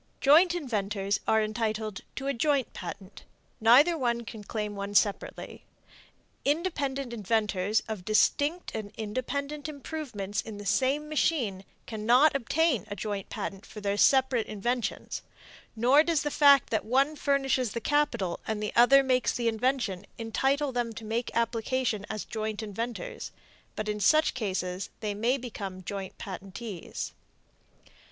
Joint inventors are entitled to a joint patent; neither can claim one separately. Independent inventors of distinct and independent improvements in the same machine cannot obtain a joint patent for their separate inventions; nor does the fact that one furnishes the capital and another makes the invention entitle them to make application as joint inventors; but in such case they may become joint patentees.